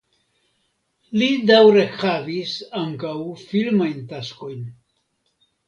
Li daŭre havis ankaŭ filmajn taskojn.